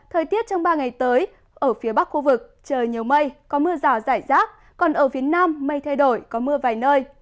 thời tiết trong ba ngày tới ở phía bắc khu vực trời nhiều mây có mưa rào rải rác còn ở phía nam mây thay đổi có mưa vài nơi